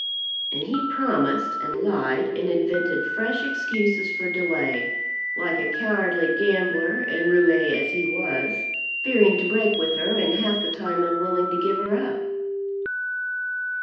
And he promised, and lied, and invented fresh excuses for delay, like a cowardly gambler and roue as he was, fearing to break with her, and half the time unwilling to give her up.